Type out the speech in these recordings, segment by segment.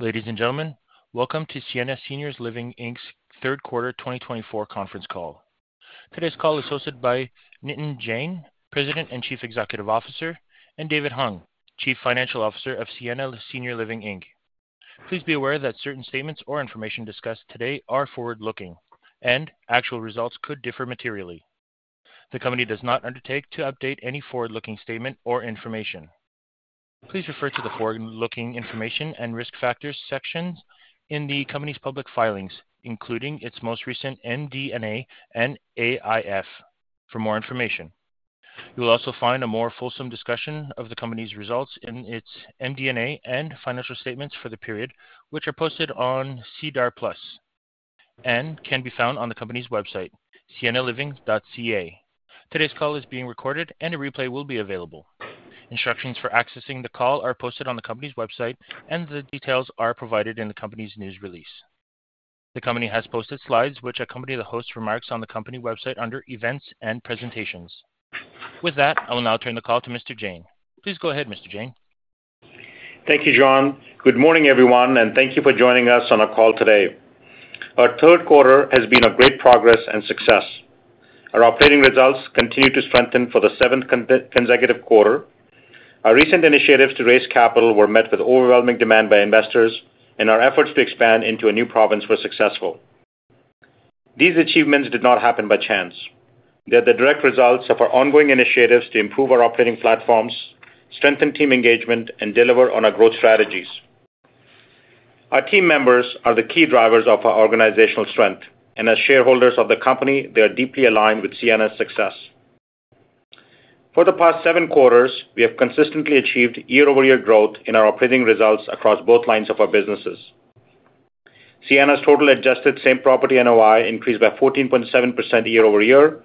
Ladies and gentlemen, welcome to Sienna Senior Living Inc.'s third quarter 2024 conference call. Today's call is hosted by Nitin Jain, President and Chief Executive Officer, and David Hung, Chief Financial Officer of Sienna Senior Living Inc. Please be aware that certain statements or information discussed today are forward-looking, and actual results could differ materially. The company does not undertake to update any forward-looking statement or information. Please refer to the forward-looking information and risk factors sections in the company's public filings, including its most recent MD&A and AIF, for more information. You will also find a more fulsome discussion of the company's results in its MD&A and financial statements for the period, which are posted on SEDAR+ and can be found on the company's website, siennaliving.ca. Today's call is being recorded, and a replay will be available. Instructions for accessing the call are posted on the company's website, and the details are provided in the company's news release. The company has posted slides which accompany the host's remarks on the company website under Events and Presentations. With that, I will now turn the call to Mr. Jain. Please go ahead, Mr. Jain. Thank you, John. Good morning, everyone, and thank you for joining us on our call today. Our third quarter has been of great progress and success. Our operating results continue to strengthen for the seventh consecutive quarter. Our recent initiatives to raise capital were met with overwhelming demand by investors, and our efforts to expand into a new province were successful. These achievements did not happen by chance. They are the direct results of our ongoing initiatives to improve our operating platforms, strengthen team engagement, and deliver on our growth strategies. Our team members are the key drivers of our organizational strength, and as shareholders of the company, they are deeply aligned with Sienna's success. For the past seven quarters, we have consistently achieved year-over-year growth in our operating results across both lines of our businesses. Sienna's total adjusted same property NOI increased by 14.7% year-over-year,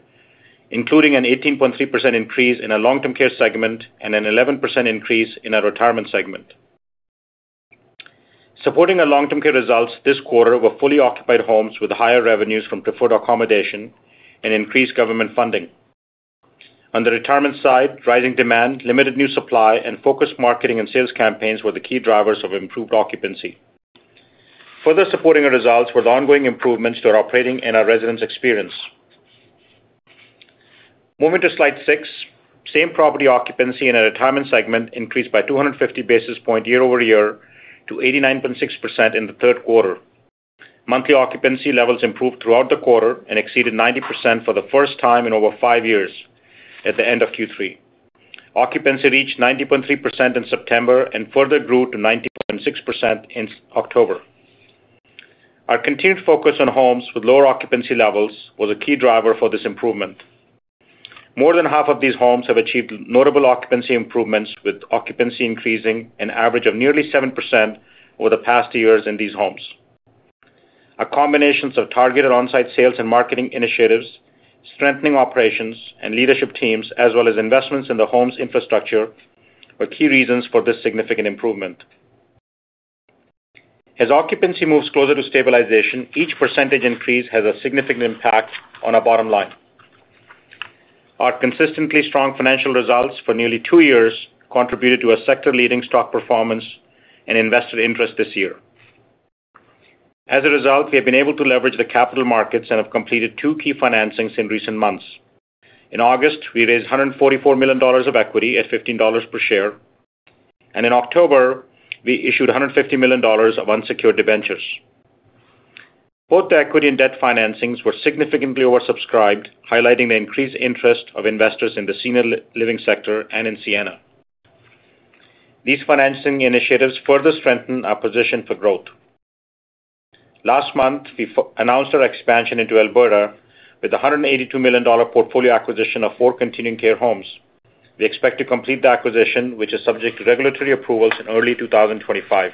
including an 18.3% increase in our long-term care segment and an 11% increase in our retirement segment. Supporting our long-term care results this quarter were fully occupied homes with higher revenues from preferred accommodation and increased government funding. On the retirement side, rising demand, limited new supply, and focused marketing and sales campaigns were the key drivers of improved occupancy. Further supporting our results were the ongoing improvements to our operating and our residents' experience. Moving to slide six, same property occupancy in our retirement segment increased by 250 basis points year-over-year to 89.6% in the third quarter. Monthly occupancy levels improved throughout the quarter and exceeded 90% for the first time in over five years at the end of Q3. Occupancy reached 90.3% in September and further grew to 90.6% in October. Our continued focus on homes with lower occupancy levels was a key driver for this improvement. More than half of these homes have achieved notable occupancy improvements with occupancy increasing an average of nearly 7% over the past two years in these homes. Our combinations of targeted on-site sales and marketing initiatives, strengthening operations and leadership teams, as well as investments in the home's infrastructure, were key reasons for this significant improvement. As occupancy moves closer to stabilization, each percentage increase has a significant impact on our bottom line. Our consistently strong financial results for nearly two years contributed to our sector-leading stock performance and investor interest this year. As a result, we have been able to leverage the capital markets and have completed two key financings in recent months. In August, we raised 144 million dollars of equity at 15 dollars per share, and in October, we issued 150 million dollars of unsecured debentures. Both the equity and debt financings were significantly oversubscribed, highlighting the increased interest of investors in the senior living sector and in Sienna. These financing initiatives further strengthen our position for growth. Last month, we announced our expansion into Alberta with a 182 million dollar portfolio acquisition of four continuing care homes. We expect to complete the acquisition, which is subject to regulatory approvals in early 2025.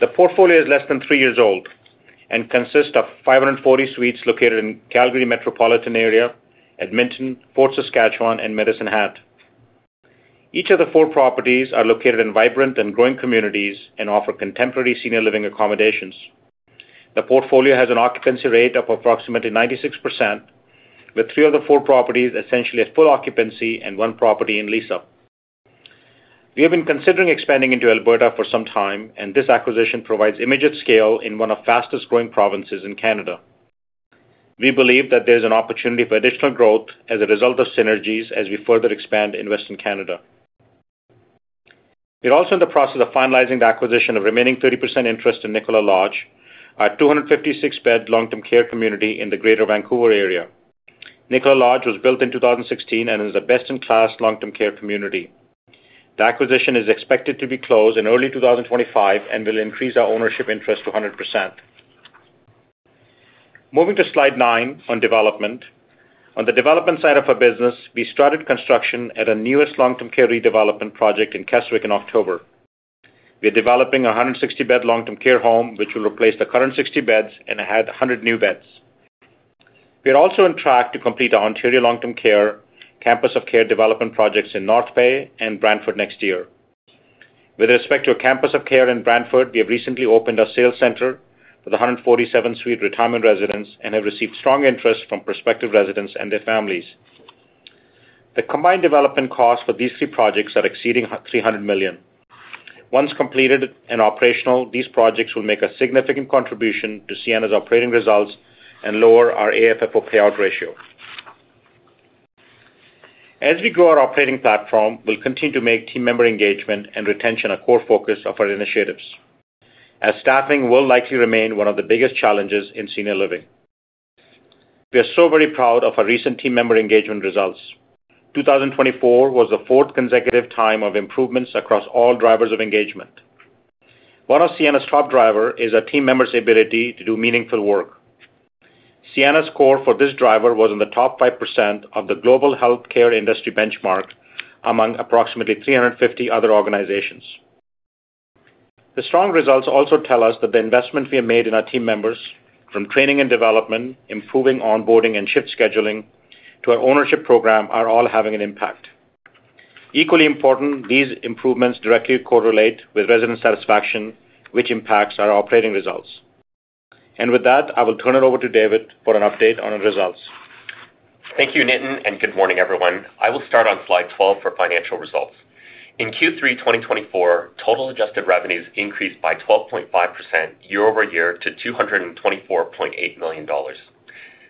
The portfolio is less than three years old and consists of 540 suites located in the Calgary Metropolitan Area, Edmonton, Fort Saskatchewan, and Medicine Hat. Each of the four properties is located in vibrant and growing communities and offers contemporary senior living accommodations. The portfolio has an occupancy rate of approximately 96%, with three of the four properties essentially at full occupancy and one property in lease-up. We have been considering expanding into Alberta for some time, and this acquisition provides immediate scale in one of the fastest-growing provinces in Canada. We believe that there is an opportunity for additional growth as a result of synergies as we further expand in Western Canada. We are also in the process of finalizing the acquisition of the remaining 30% interest in Nicola Lodge, our 256-bed long-term care community in the Greater Vancouver area. Nicola Lodge was built in 2016 and is the best-in-class long-term care community. The acquisition is expected to be closed in early 2025 and will increase our ownership interest to 100%. Moving to slide nine on development. On the development side of our business, we started construction at our newest long-term care redevelopment project in Keswick in October. We are developing a 160-bed long-term care home, which will replace the current 60 beds and add 100 new beds. We are also on track to complete our Ontario long-term care campus of care development projects in North Bay and Brantford next year. With respect to our campus of care in Brantford, we have recently opened a sales center with 147-suite retirement residence and have received strong interest from prospective residents and their families. The combined development costs for these three projects are exceeding 300 million. Once completed and operational, these projects will make a significant contribution to Sienna's operating results and lower our AFFO payout ratio. As we grow our operating platform, we'll continue to make team member engagement and retention a core focus of our initiatives, as staffing will likely remain one of the biggest challenges in senior living. We are so very proud of our recent team member engagement results. 2024 was the fourth consecutive time of improvements across all drivers of engagement. One of Sienna's top drivers is our team members' ability to do meaningful work. Sienna's score for this driver was in the top 5% of the global healthcare industry benchmark among approximately 350 other organizations. The strong results also tell us that the investment we have made in our team members, from training and development, improving onboarding and shift scheduling, to our ownership program, are all having an impact. Equally important, these improvements directly correlate with resident satisfaction, which impacts our operating results. With that, I will turn it over to David for an update on our results. Thank you, Nitin, and good morning, everyone. I will start on slide 12 for financial results. In Q3 2024, total adjusted revenues increased by 12.5% year-over-year to 224.8 million dollars.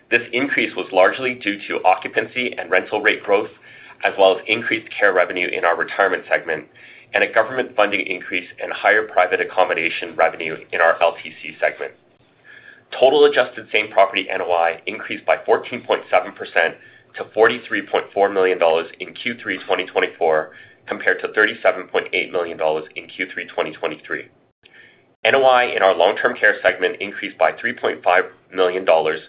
This increase was largely due to occupancy and rental rate growth, as well as increased care revenue in our retirement segment and a government funding increase in higher private accommodation revenue in our LTC segment. Total adjusted same property NOI increased by 14.7% to 43.4 million dollars in Q3 2024, compared to 37.8 million dollars in Q3 2023. NOI in our long-term care segment increased by 3.5 million dollars,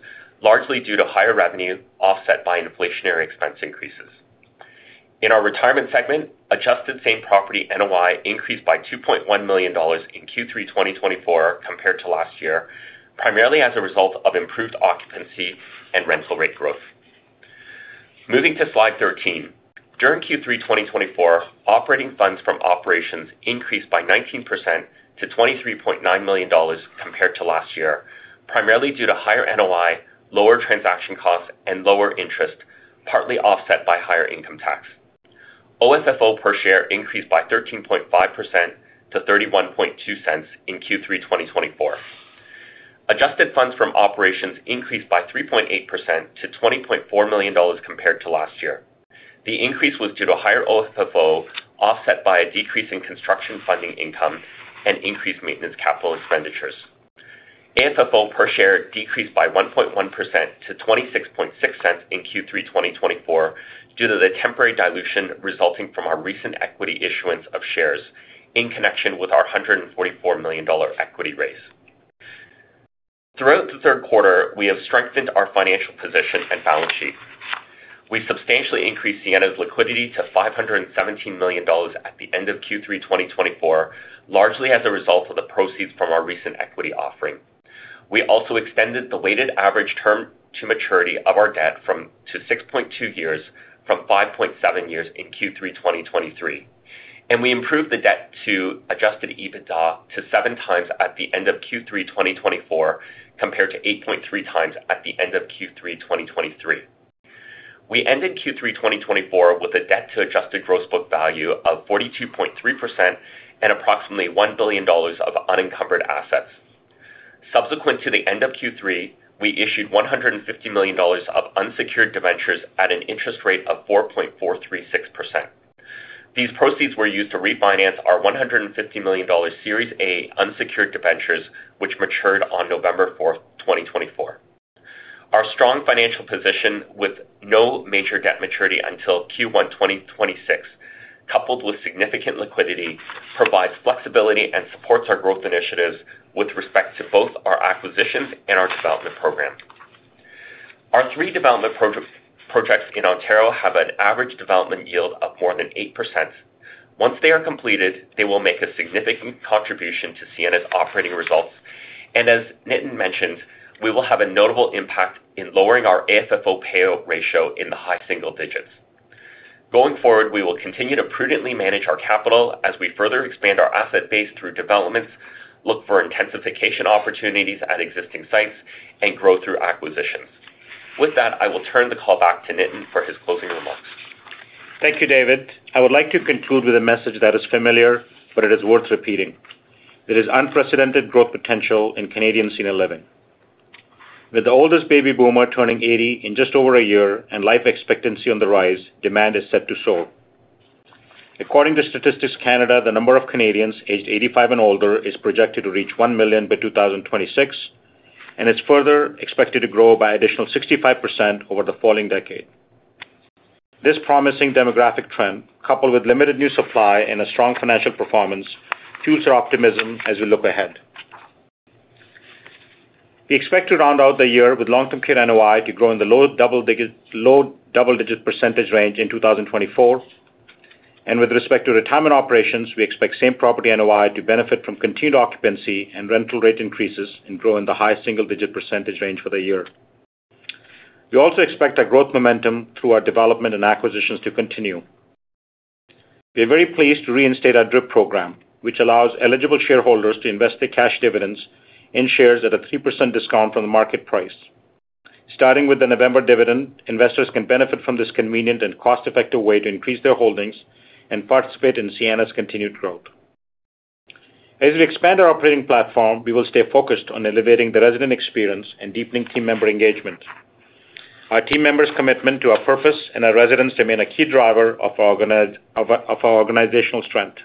largely due to higher revenue offset by inflationary expense increases. In our retirement segment, adjusted same property NOI increased by 2.1 million dollars in Q3 2024, compared to last year, primarily as a result of improved occupancy and rental rate growth. Moving to slide 13. During Q3 2024, operating funds from operations increased by 19% to 23.9 million dollars compared to last year, primarily due to higher NOI, lower transaction costs, and lower interest, partly offset by higher income tax. OFFO per share increased by 13.5% to 0.31 in Q3 2024. Adjusted funds from operations increased by 3.8% to 20.4 million dollars compared to last year. The increase was due to higher OFFO offset by a decrease in construction funding income and increased maintenance capital expenditures. AFFO per share decreased by 1.1% to 0.26 in Q3 2024 due to the temporary dilution resulting from our recent equity issuance of shares in connection with our 144 million dollar equity raise. Throughout the third quarter, we have strengthened our financial position and balance sheet. We substantially increased Sienna's liquidity to 517 million dollars at the end of Q3 2024, largely as a result of the proceeds from our recent equity offering. We also extended the weighted average term to maturity of our debt to 6.2 years from 5.7 years in Q3 2023, and we improved the debt to Adjusted EBITDA to 7 times at the end of Q3 2024, compared to 8.3 times at the end of Q3 2023. We ended Q3 2024 with a debt-to-Adjusted Gross Book Value of 42.3% and approximately 1 billion dollars of unencumbered assets. Subsequent to the end of Q3, we issued 150 million dollars of unsecured debentures at an interest rate of 4.436%. These proceeds were used to refinance our 150 million dollars Series A Unsecured Debentures, which matured on November 4, 2024. Our strong financial position, with no major debt maturity until Q1 2026, coupled with significant liquidity, provides flexibility and supports our growth initiatives with respect to both our acquisitions and our development program. Our three development projects in Ontario have an average development yield of more than 8%. Once they are completed, they will make a significant contribution to Sienna's operating results, and as Nitin mentioned, we will have a notable impact in lowering our AFFO payout ratio in the high single digits. Going forward, we will continue to prudently manage our capital as we further expand our asset base through developments, look for intensification opportunities at existing sites, and grow through acquisitions. With that, I will turn the call back to Nitin for his closing remarks. Thank you, David. I would like to conclude with a message that is familiar, but it is worth repeating. There is unprecedented growth potential in Canadian senior living. With the oldest baby boomer turning 80 in just over a year and life expectancy on the rise, demand is set to soar. According to Statistics Canada, the number of Canadians aged 85 and older is projected to reach 1 million by 2026, and it's further expected to grow by an additional 65% over the following decade. This promising demographic trend, coupled with limited new supply and a strong financial performance, fuels our optimism as we look ahead. We expect to round out the year with long-term care NOI to grow in the low double-digit percentage range in 2024, and with respect to retirement operations, we expect same property NOI to benefit from continued occupancy and rental rate increases and grow in the high single-digit percentage range for the year. We also expect our growth momentum through our development and acquisitions to continue. We are very pleased to reinstate our DRIP program, which allows eligible shareholders to invest their cash dividends in shares at a 3% discount from the market price. Starting with the November dividend, investors can benefit from this convenient and cost-effective way to increase their holdings and participate in Sienna's continued growth. As we expand our operating platform, we will stay focused on elevating the resident experience and deepening team member engagement. Our team members' commitment to our purpose and our residents remain a key driver of our organizational strength.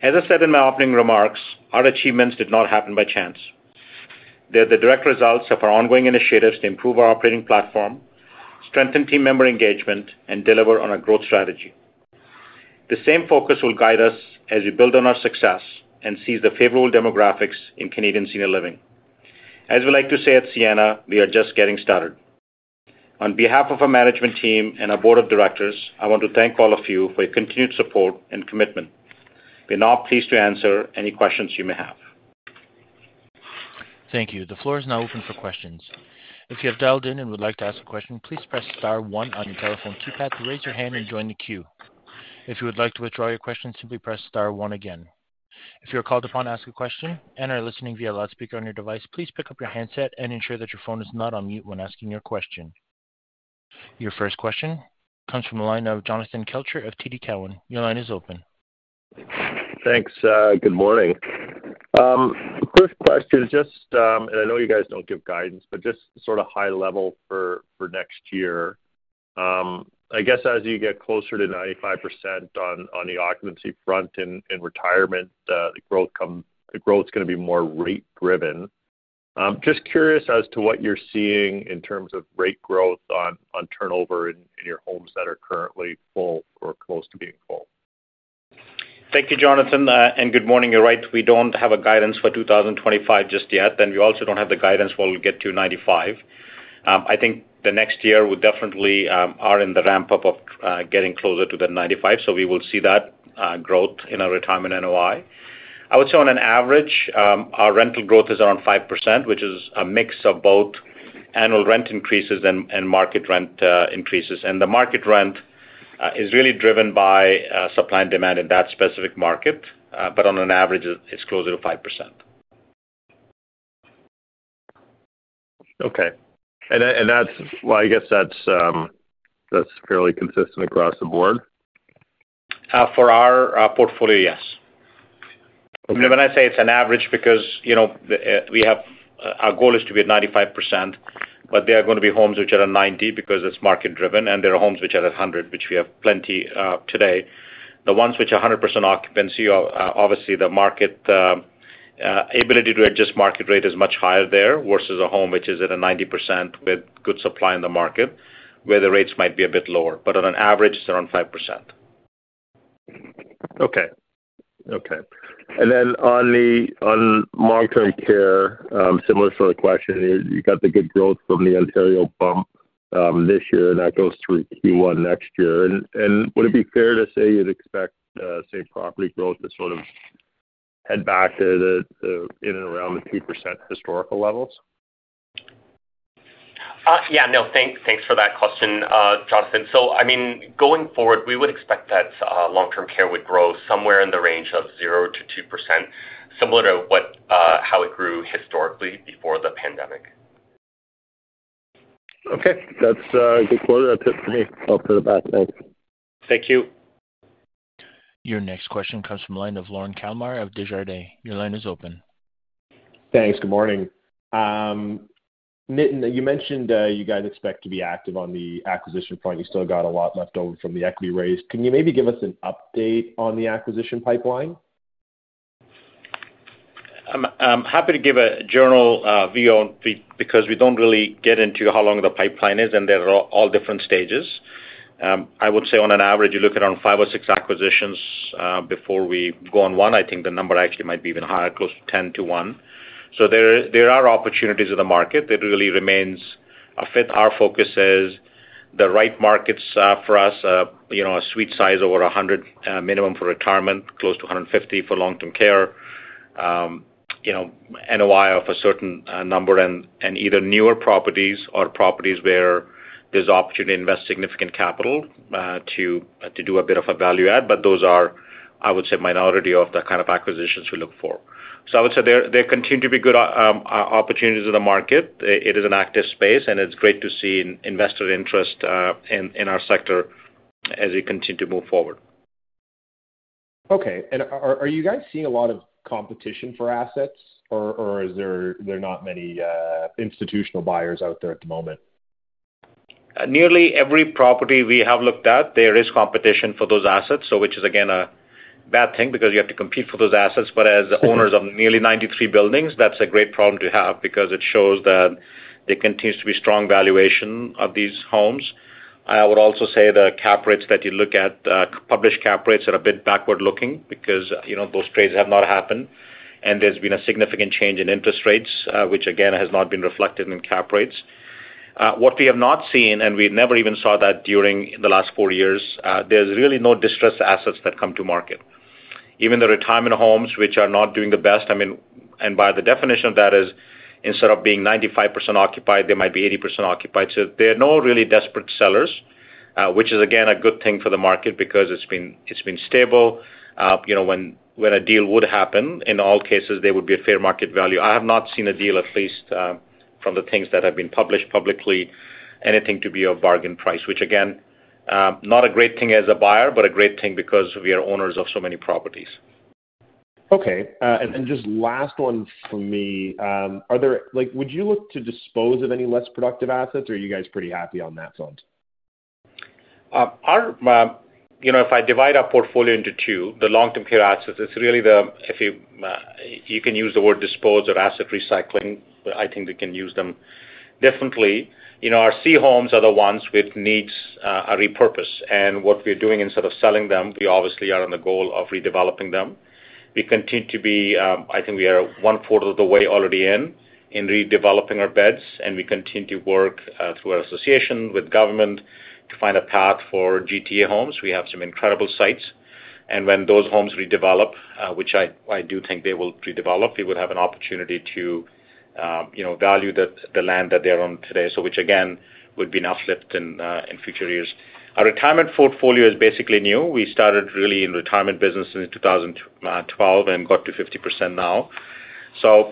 As I said in my opening remarks, our achievements did not happen by chance. They are the direct results of our ongoing initiatives to improve our operating platform, strengthen team member engagement, and deliver on our growth strategy. The same focus will guide us as we build on our success and seize the favorable demographics in Canadian senior living. As we like to say at Sienna, we are just getting started. On behalf of our management team and our board of directors, I want to thank all of you for your continued support and commitment. We are now pleased to answer any questions you may have. Thank you. The floor is now open for questions. If you have dialed in and would like to ask a question, please press star one on your telephone keypad to raise your hand and join the queue. If you would like to withdraw your question, simply press star one again. If you are called upon to ask a question and are listening via loudspeaker on your device, please pick up your handset and ensure that your phone is not on mute when asking your question. Your first question comes from a line of Jonathan Kelcher of TD Cowen. Your line is open. Thanks. Good morning. First question, just, and I know you guys don't give guidance, but just sort of high level for next year. I guess as you get closer to 95% on the occupancy front in retirement, the growth is going to be more rate-driven. Just curious as to what you're seeing in terms of rate growth on turnover in your homes that are currently full or close to being full. Thank you, Jonathan, and good morning. You're right. We don't have guidance for 2025 just yet, and we also don't have the guidance when we get to 95. I think the next year we definitely are in the ramp-up of getting closer to the 95, so we will see that growth in our retirement NOI. I would say on an average, our rental growth is around 5%, which is a mix of both annual rent increases and market rent increases, and the market rent is really driven by supply and demand in that specific market, but on an average, it's closer to 5%. Okay. And I guess that's fairly consistent across the board? For our portfolio, yes. When I say it's an average, because our goal is to be at 95%, but there are going to be homes which are at 90% because it's market-driven, and there are homes which are at 100%, which we have plenty today. The ones which are 100% occupancy, obviously the market ability to adjust market rate is much higher there versus a home which is at 90% with good supply in the market, where the rates might be a bit lower. But on an average, it's around 5%. Okay. Okay. And then on long-term care, similar sort of question, you got the good growth from the Ontario bump this year, and that goes through Q1 next year. And would it be fair to say you'd expect same property growth to sort of head back to the in and around the 2% historical levels? Yeah. No, thanks for that question, Jonathan. So, I mean, going forward, we would expect that long-term care would grow somewhere in the range of 0%-2%, similar to how it grew historically before the pandemic. Okay. That's a good quarter tip for me. I'll put it back. Thanks. Thank you. Your next question comes from a line of Lorne Kalmar of Desjardins. Your line is open. Thanks. Good morning. Nitin, you mentioned you guys expect to be active on the acquisition front. You still got a lot left over from the equity raise. Can you maybe give us an update on the acquisition pipeline? I'm happy to give a general view on because we don't really get into how long the pipeline is, and there are all different stages. I would say on an average, you look at around five or six acquisitions before we go on one. I think the number actually might be even higher, close to 10 to one. So there are opportunities in the market. It really remains a fit. Our focus is the right markets for us, a suite size over 100 minimum for retirement, close to 150 for long-term care, NOI of a certain number, and either newer properties or properties where there's opportunity to invest significant capital to do a bit of a value-add. But those are, I would say, a minority of the kind of acquisitions we look for. So I would say there continue to be good opportunities in the market. It is an active space, and it's great to see investor interest in our sector as we continue to move forward. Okay. And are you guys seeing a lot of competition for assets, or are there not many institutional buyers out there at the moment? Nearly every property we have looked at, there is competition for those assets, which is, again, a bad thing because you have to compete for those assets. But as owners of nearly 93 buildings, that's a great problem to have because it shows that there continues to be strong valuation of these homes. I would also say the cap rates that you look at, published cap rates are a bit backward-looking because those trades have not happened, and there's been a significant change in interest rates, which, again, has not been reflected in cap rates. What we have not seen, and we never even saw that during the last four years, there's really no distressed assets that come to market. Even the retirement homes, which are not doing the best, I mean, and by the definition of that is, instead of being 95% occupied, they might be 80% occupied. So there are no really desperate sellers, which is, again, a good thing for the market because it's been stable. When a deal would happen, in all cases, there would be a fair market value. I have not seen a deal, at least from the things that have been published publicly, anything to be a bargain price, which, again, not a great thing as a buyer, but a great thing because we are owners of so many properties. Okay. And then just last one for me. Would you look to dispose of any less productive assets, or are you guys pretty happy on that front? If I divide our portfolio into two, the long-term care assets. It's really the - if you can use the word dispose or asset recycling - I think we can use them differently. Our C homes are the ones which need a repurpose. And what we're doing instead of selling them, we obviously are on the goal of redeveloping them. We continue to be - I think we are one quarter of the way already in redeveloping our beds, and we continue to work through our association with government to find a path for GTA homes. We have some incredible sites. And when those homes redevelop, which I do think they will redevelop, we would have an opportunity to value the land that they are on today, which, again, would be now flipped in future years. Our retirement portfolio is basically new. We started really in retirement business in 2012 and got to 50% now. So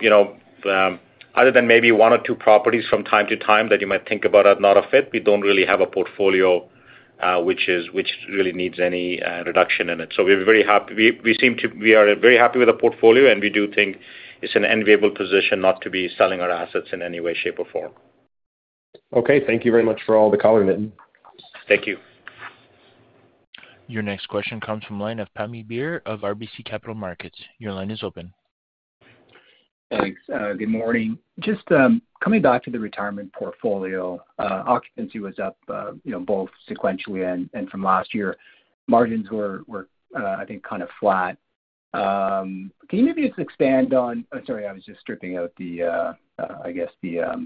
other than maybe one or two properties from time to time that you might think about as not a fit, we don't really have a portfolio which really needs any reduction in it. So we're very happy. We are very happy with the portfolio, and we do think it's an enviable position not to be selling our assets in any way, shape, or form. Okay. Thank you very much for all the color, Nitin. Thank you. Your next question comes from Pammi Bir of RBC Capital Markets. Your line is open. Thanks. Good morning. Just coming back to the retirement portfolio, occupancy was up both sequentially and from last year. Margins were, I think, kind of flat. Can you maybe just expand on. Sorry, I was just stripping out, I guess, the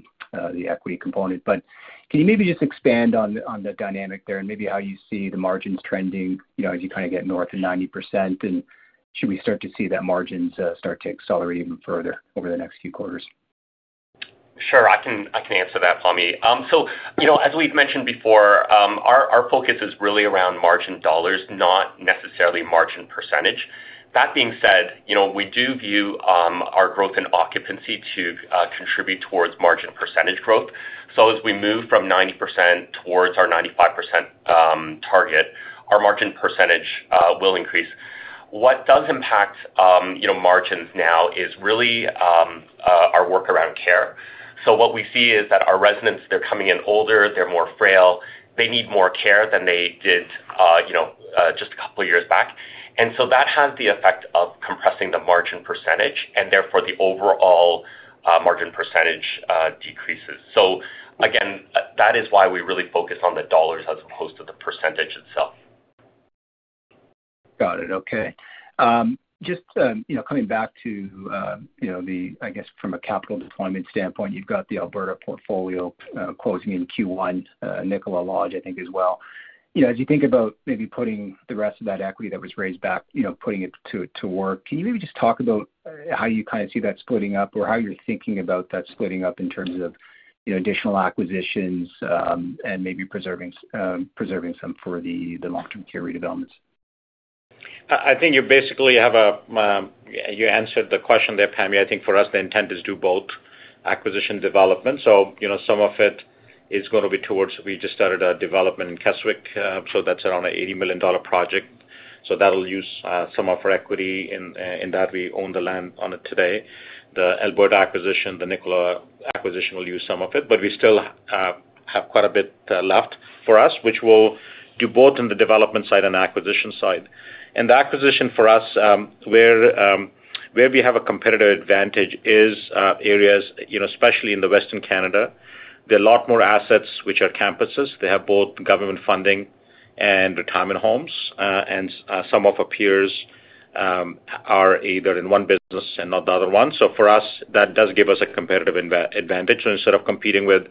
equity component. But can you maybe just expand on the dynamic there and maybe how you see the margins trending as you kind of get north of 90%? And should we start to see that margins start to accelerate even further over the next few quarters? Sure. I can answer that, Pammi. So as we've mentioned before, our focus is really around margin dollars, not necessarily margin percentage. That being said, we do view our growth in occupancy to contribute towards margin percentage growth. So as we move from 90% towards our 95% target, our margin percentage will increase. What does impact margins now is really our work around care. So what we see is that our residents, they're coming in older, they're more frail, they need more care than they did just a couple of years back. And so that has the effect of compressing the margin percentage, and therefore the overall margin percentage decreases. So again, that is why we really focus on the dollars as opposed to the percentage itself. Got it. Okay. Just coming back to the, I guess, from a capital deployment standpoint, you've got the Alberta portfolio closing in Q1, Nicola Lodge, I think, as well. As you think about maybe putting the rest of that equity that was raised back, putting it to work, can you maybe just talk about how you kind of see that splitting up or how you're thinking about that splitting up in terms of additional acquisitions and maybe preserving some for the long-term care redevelopments? I think you basically have a—you answered the question there, Pammi. I think for us, the intent is to do both acquisition development. So some of it is going to be towards—we just started a development in Keswick, so that's around a 80 million dollar project. So that'll use some of our equity in that we own the land on it today. The Alberta acquisition, the Nicola acquisition will use some of it, but we still have quite a bit left for us, which we'll do both on the development side and acquisition side. And the acquisition for us, where we have a competitive advantage, is areas, especially in Western Canada. There are a lot more assets which are campuses. They have both government funding and retirement homes, and some of our peers are either in one business and not the other one. So for us, that does give us a competitive advantage. So instead of competing with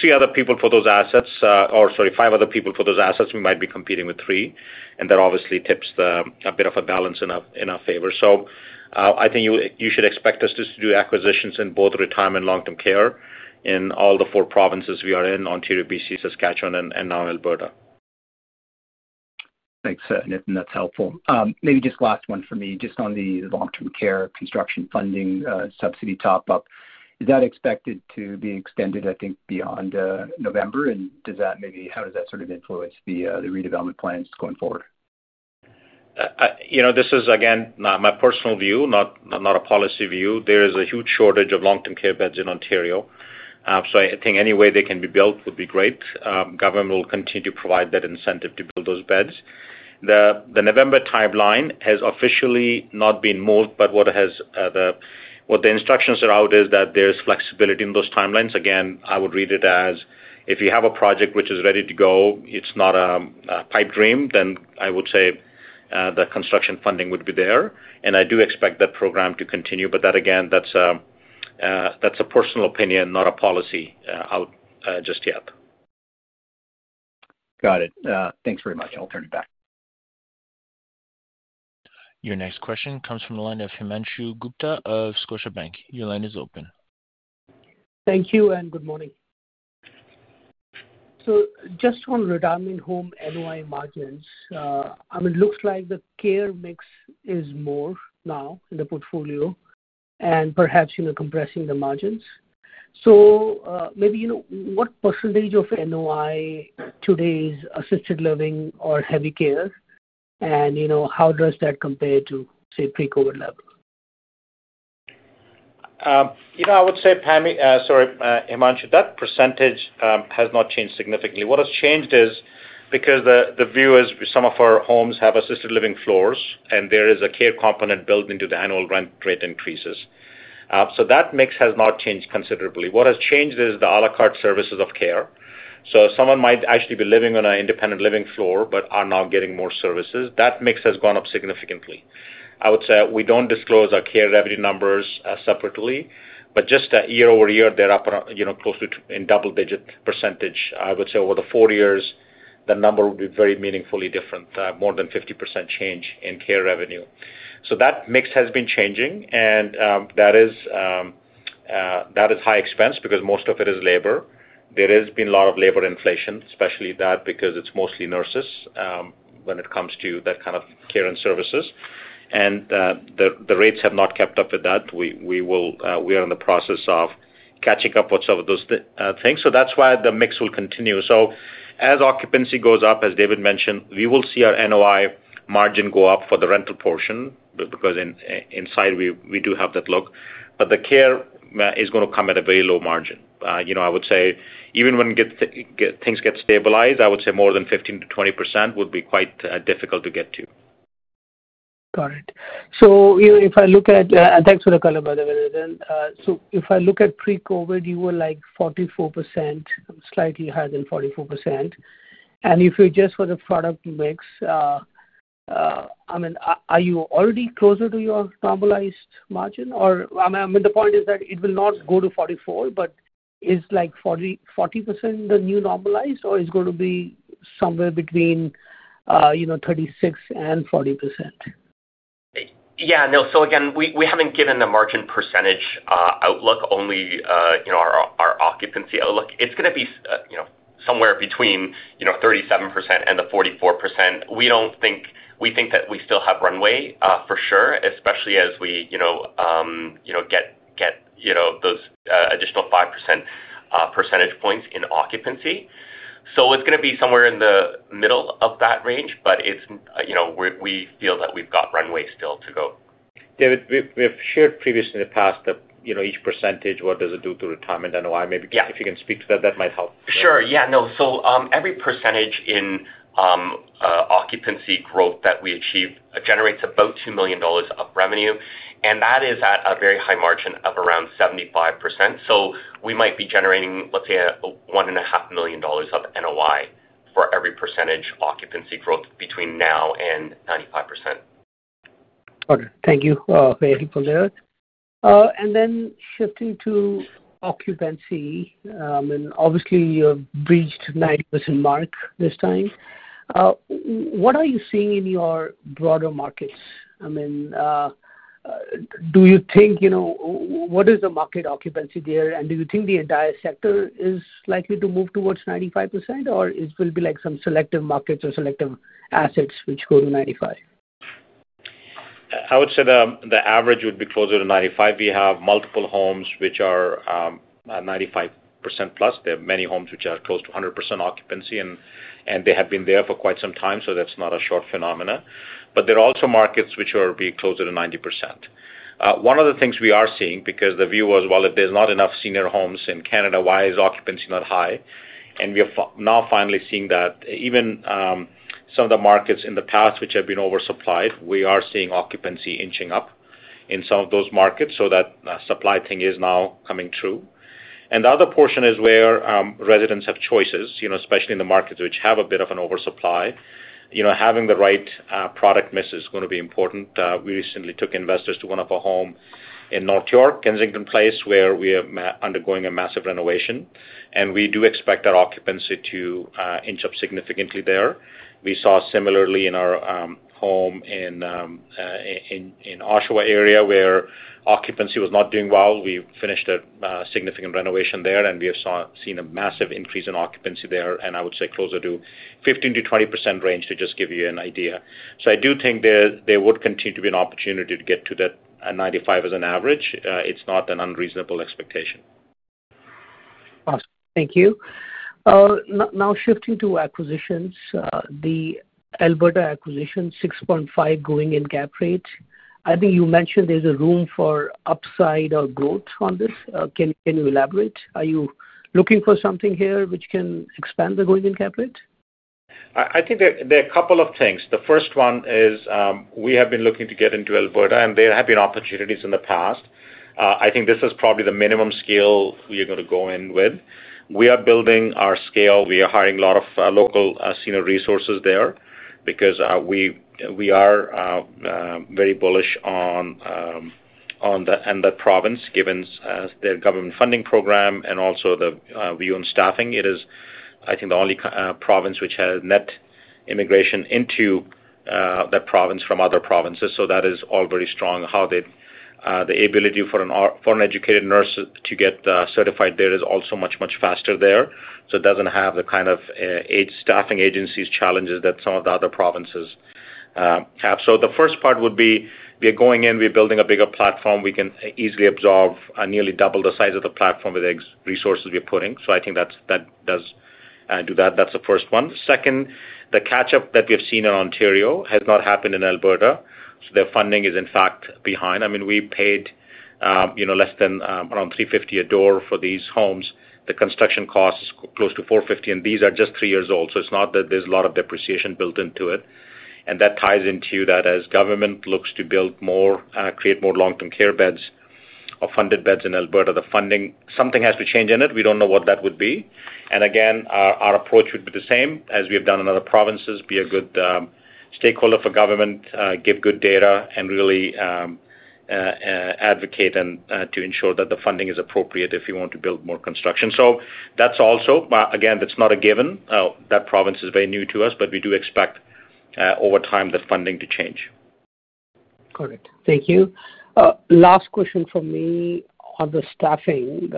three other people for those assets, or, sorry, five other people for those assets, we might be competing with three. And that obviously tips a bit of a balance in our favor. So I think you should expect us to do acquisitions in both retirement and long-term care in all the four provinces we are in: Ontario, BC, Saskatchewan, and now Alberta. Thanks, Nitin. That's helpful. Maybe just last one for me. Just on the long-term care construction funding subsidy top-up, is that expected to be extended, I think, beyond November? And how does that sort of influence the redevelopment plans going forward? This is, again, my personal view, not a policy view. There is a huge shortage of long-term care beds in Ontario. So I think any way they can be built would be great. Government will continue to provide that incentive to build those beds. The November timeline has officially not been moved, but what the instructions are out is that there's flexibility in those timelines. Again, I would read it as if you have a project which is ready to go, it's not a pipe dream, then I would say the construction funding would be there. And I do expect that program to continue, but that, again, that's a personal opinion, not a policy out just yet. Got it. Thanks very much. I'll turn it back. Your next question comes from a line of Himanshu Gupta of Scotiabank. Your line is open. Thank you and good morning. So just on retirement home NOI margins, I mean, it looks like the care mix is more now in the portfolio and perhaps compressing the margins. So maybe what percentage of NOI today is assisted living or heavy care, and how does that compare to, say, pre-COVID level? I would say, Himanshu that percentage has not changed significantly. What has changed is because the view is some of our homes have assisted living floors, and there is a care component built into the annual rent rate increases. So that mix has not changed considerably. What has changed is the à la carte services of care. So someone might actually be living on an independent living floor but are now getting more services. That mix has gone up significantly. I would say we don't disclose our care revenue numbers separately, but just year over year, they're up close to in double-digit percentage. I would say over the four years, the number would be very meaningfully different, more than 50% change in care revenue. So that mix has been changing, and that is high expense because most of it is labor. There has been a lot of labor inflation, especially that because it's mostly nurses when it comes to that kind of care and services, and the rates have not kept up with that. We are in the process of catching up with some of those things, so that's why the mix will continue, so as occupancy goes up, as David mentioned, we will see our NOI margin go up for the rental portion because inside we do have that look, but the care is going to come at a very low margin. I would say even when things get stabilized, I would say more than 15%-20% would be quite difficult to get to. Got it. So if I look at, and thanks for the color, by the way, Nitin. So if I look at pre-COVID, you were like 44%, slightly higher than 44%. And if you just for the product mix, I mean, are you already closer to your normalized margin? Or I mean, the point is that it will not go to 44%, but is like 40% the new normalized, or it's going to be somewhere between 36% and 40%. Yeah. No. So again, we haven't given the margin percentage outlook, only our occupancy outlook. It's going to be somewhere between 37% and the 44%. We think that we still have runway for sure, especially as we get those additional 5 percentage points in occupancy. So it's going to be somewhere in the middle of that range, but we feel that we've got runway still to go. David, we've shared previously in the past that each percentage, what does it do to retirement NOI? Maybe if you can speak to that, that might help. Sure. Yeah. No. So every percentage in occupancy growth that we achieve generates about 2 million dollars of revenue, and that is at a very high margin of around 75%. So we might be generating, let's say, 1.5 million dollars of NOI for every percentage occupancy growth between now and 95%. Okay. Thank you for that. And then shifting to occupancy, I mean, obviously you've reached 90% mark this time. What are you seeing in your broader markets? I mean, do you think what is the market occupancy there, and do you think the entire sector is likely to move towards 95%, or it will be like some selective markets or selective assets which go to 95%? I would say the average would be closer to 95%. We have multiple homes which are 95% plus. There are many homes which are close to 100% occupancy, and they have been there for quite some time, so that's not a short phenomenon. But there are also markets which are being closer to 90%. One of the things we are seeing, because the view was, well, if there's not enough senior homes in Canada, why is occupancy not high? And we are now finally seeing that even some of the markets in the past which have been oversupplied, we are seeing occupancy inching up in some of those markets, so that supply thing is now coming true. And the other portion is where residents have choices, especially in the markets which have a bit of an oversupply. Having the right product mix is going to be important. We recently took investors to one of our homes in North York, Kensington Place, where we are undergoing a massive renovation, and we do expect our occupancy to inch up significantly there. We saw similarly in our home in the Oshawa area where occupancy was not doing well. We finished a significant renovation there, and we have seen a massive increase in occupancy there, and I would say closer to 15%-20% range to just give you an idea, so I do think there would continue to be an opportunity to get to that 95 as an average. It's not an unreasonable expectation. Awesome. Thank you. Now shifting to acquisitions, the Alberta acquisition, 6.5 going in cap rate. I think you mentioned there's a room for upside or growth on this. Can you elaborate? Are you looking for something here which can expand the going in cap rate? I think there are a couple of things. The first one is we have been looking to get into Alberta, and there have been opportunities in the past. I think this is probably the minimum scale we are going to go in with. We are building our scale. We are hiring a lot of local senior resources there because we are very bullish on the province given their government funding program and also the view on staffing. It is, I think, the only province which has net immigration into that province from other provinces. So that is all very strong. The ability for an educated nurse to get certified there is also much, much faster there. So it doesn't have the kind of staffing agencies challenges that some of the other provinces have. So the first part would be we are going in, we are building a bigger platform. We can easily absorb nearly double the size of the platform with the resources we are putting. So I think that does do that. That's the first one. Second, the catch-up that we have seen in Ontario has not happened in Alberta. So their funding is, in fact, behind. I mean, we paid less than around 350 a door for these homes. The construction cost is close to 450, and these are just three years old. So it's not that there's a lot of depreciation built into it. And that ties into that as government looks to create more long-term care beds or funded beds in Alberta. The funding, something has to change in it. We don't know what that would be. And again, our approach would be the same as we have done in other provinces. Be a good stakeholder for government, give good data, and really advocate to ensure that the funding is appropriate if you want to build more construction. So that's also, again, that's not a given. That province is very new to us, but we do expect over time the funding to change. Got it. Thank you. Last question for me on the staffing.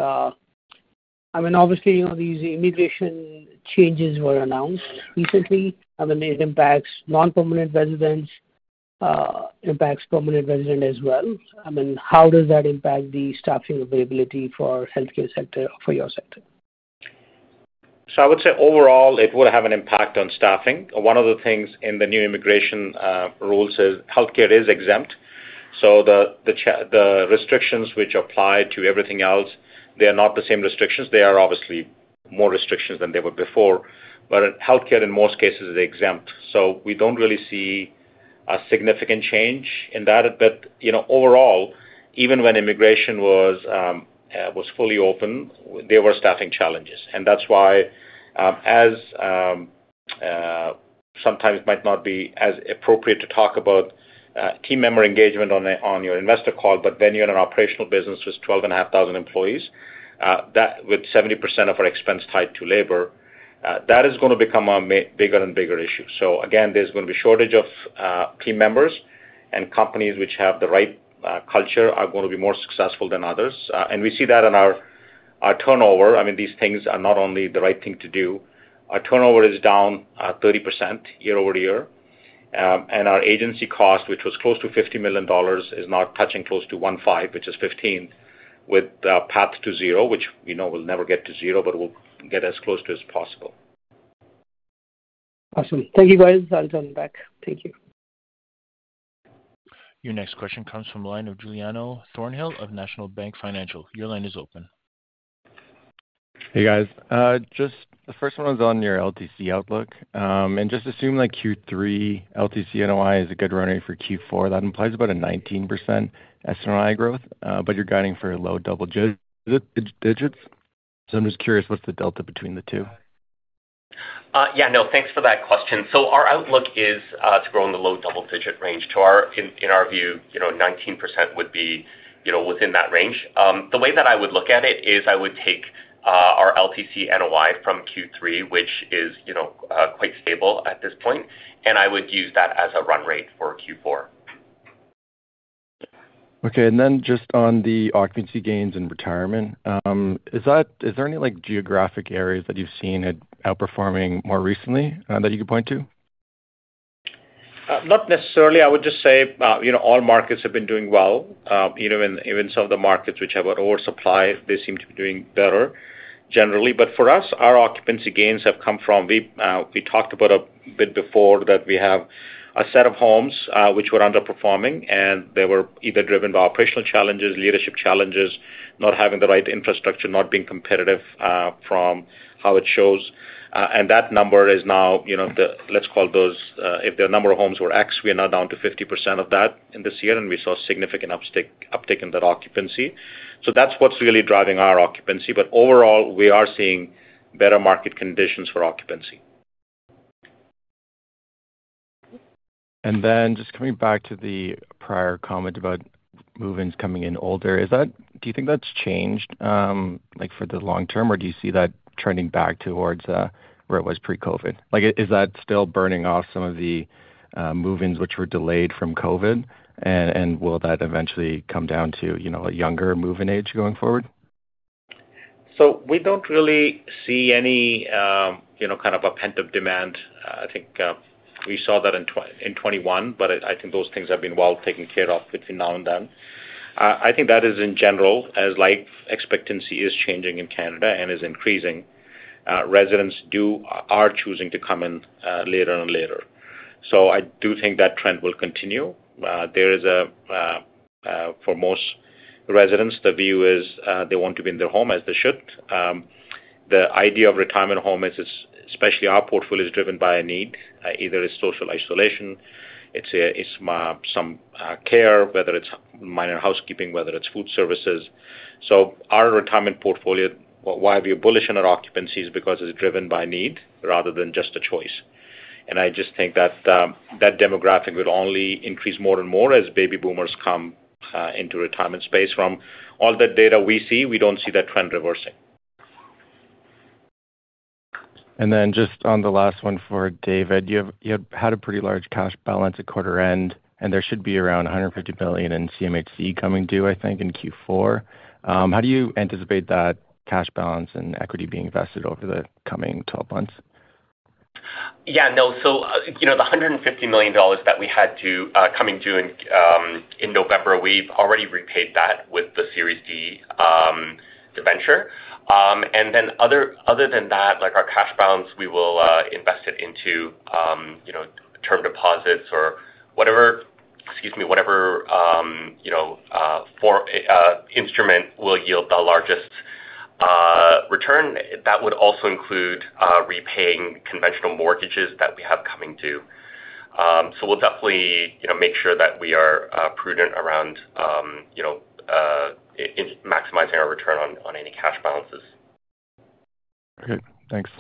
I mean, obviously, these immigration changes were announced recently. I mean, it impacts non-permanent residents, impacts permanent residents as well. I mean, how does that impact the staffing availability for healthcare sector, for your sector? So I would say overall, it would have an impact on staffing. One of the things in the new immigration rules is healthcare is exempt. So the restrictions which apply to everything else, they are not the same restrictions. They are obviously more restrictions than they were before. But healthcare in most cases is exempt. So we don't really see a significant change in that. But overall, even when immigration was fully open, there were staffing challenges. And that's why as sometimes it might not be as appropriate to talk about team member engagement on your investor call, but then you're in an operational business with 12,500 employees, with 70% of our expense tied to labor, that is going to become a bigger and bigger issue. So again, there's going to be a shortage of team members, and companies which have the right culture are going to be more successful than others. And we see that in our turnover. I mean, these things are not only the right thing to do. Our turnover is down 30% year over year. And our agency cost, which was close to 50 million dollars, is now touching close to 1.5 million, which is 15%, with a path to zero, which we know will never get to zero, but we'll get as close to as possible. Awesome. Thank you, guys. I'll turn it back. Thank you. Your next question comes from a line of Giuliano Thornhill of National Bank Financial. Your line is open. Hey, guys. Just the first one was on your LTC outlook, and just assume Q3 LTC NOI is a good runway for Q4. That implies about a 19% S&RI growth, but you're guiding for low double digits, so I'm just curious, what's the delta between the two? Yeah. No, thanks for that question. So our outlook is to grow in the low double-digit range. In our view, 19% would be within that range. The way that I would look at it is I would take our LTC NOI from Q3, which is quite stable at this point, and I would use that as a run rate for Q4. Okay. And then just on the occupancy gains and retirement, is there any geographic areas that you've seen outperforming more recently that you could point to? Not necessarily. I would just say all markets have been doing well. Even some of the markets which have oversupply, they seem to be doing better generally. But for us, our occupancy gains have come from we talked about a bit before that we have a set of homes which were underperforming, and they were either driven by operational challenges, leadership challenges, not having the right infrastructure, not being competitive from how it shows, and that number is now, let's call those if the number of homes were X, we are now down to 50% of that this year, and we saw significant uptake in that occupancy, so that's what's really driving our occupancy, but overall, we are seeing better market conditions for occupancy. And then just coming back to the prior comment about movings coming in older, do you think that's changed for the long term, or do you see that trending back towards where it was pre-COVID? Is that still burning off some of the movings which were delayed from COVID, and will that eventually come down to a younger move-in age going forward? So we don't really see any kind of a pent-up demand. I think we saw that in 2021, but I think those things have been well taken care of between now and then. I think that in general life expectancy is changing in Canada and is increasing. Residents are choosing to come in later and later. So I do think that trend will continue. There is, for most residents, the view is they want to be in their home as they should. The idea of retirement home, especially our portfolio, is driven by a need. Either it's social isolation, it's some care, whether it's minor housekeeping, whether it's food services. So our retirement portfolio, why we are bullish on our occupancy, is because it's driven by need rather than just a choice. And I just think that that demographic will only increase more and more as baby boomers come into the retirement space. From all the data we see, we don't see that trend reversing. Then just on the last one for David, you had a pretty large cash balance at quarter end, and there should be around 150 million in CMHC coming due, I think, in Q4. How do you anticipate that cash balance and equity being invested over the coming 12 months? Yeah. No. So the 150 million dollars that we had coming due in November, we've already repaid that with the Series D debenture. And then other than that, our cash balance, we will invest it into term deposits or whatever, excuse me, whatever instrument will yield the largest return. That would also include repaying conventional mortgages that we have coming due. So we'll definitely make sure that we are prudent around maximizing our return on any cash balances. Okay. Thanks.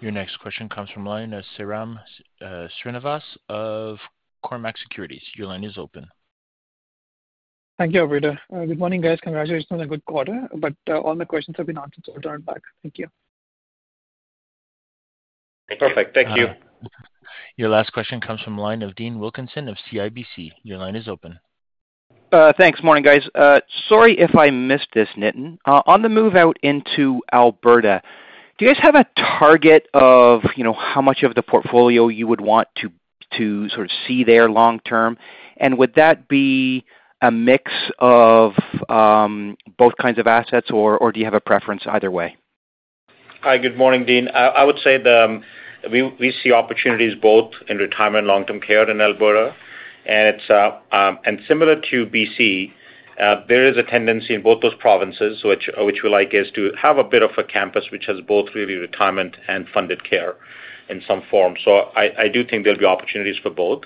Your next question comes from the line of Sairam Srinivas of Cormark Securities. Your line is open. Thank you, Alberto. Good morning, guys. Congratulations on a good quarter. But all my questions have been answered, so turn it back. Thank you. Thank you. Perfect. Thank you. Your last question comes from line of Dean Wilkinson of CIBC. Your line is open. Thanks. Morning, guys. Sorry if I missed this, Nitin. On the move out into Alberta, do you guys have a target of how much of the portfolio you would want to sort of see there long term? And would that be a mix of both kinds of assets, or do you have a preference either way? Hi. Good morning, Dean. I would say we see opportunities both in retirement and long-term care in Alberta, and similar to BC, there is a tendency in both those provinces, which we like, is to have a bit of a campus which has both really retirement and funded care in some form, so I do think there'll be opportunities for both.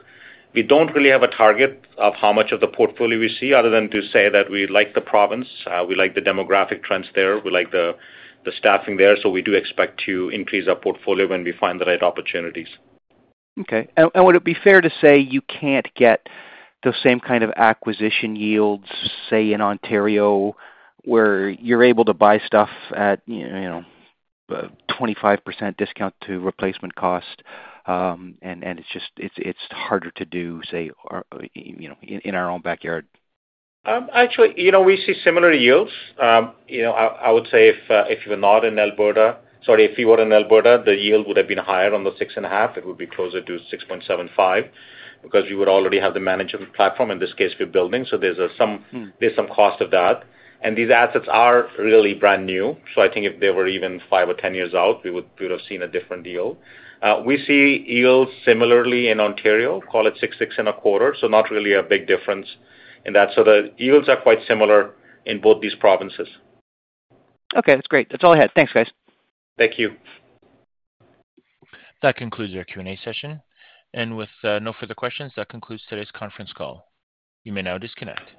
We don't really have a target of how much of the portfolio we see other than to say that we like the province. We like the demographic trends there. We like the staffing there, so we do expect to increase our portfolio when we find the right opportunities. Okay. And would it be fair to say you can't get the same kind of acquisition yields, say, in Ontario where you're able to buy stuff at a 25% discount to replacement cost, and it's harder to do, say, in our own backyard? Actually, we see similar yields. I would say if you were not in Alberta, sorry, if you were in Alberta, the yield would have been higher on the 6.5. It would be closer to 6.75 because we would already have the management platform. In this case, we're building. So there's some cost of that. And these assets are really brand new. So I think if they were even five or 10 years out, we would have seen a different deal. We see yields similarly in Ontario, call it six, six and a quarter. So not really a big difference in that. So the yields are quite similar in both these provinces. Okay. That's great. That's all I had. Thanks, guys. Thank you. That concludes our Q&A session. And with no further questions, that concludes today's conference call. You may now disconnect.